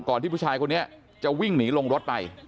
ที่ผู้ชายคนนี้จะวิ่งหนีลงรถไป